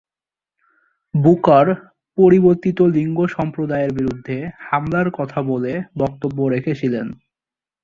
Booker পরিবর্তিত লিঙ্গ সম্প্রদায়ের বিরুদ্ধে হামলার কথা বলে বক্তব্য রেখেছিলেন।